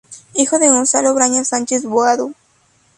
Hijo de Gonzalo Brañas Sánchez-Boado.